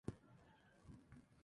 Fueron siete años de mi vida.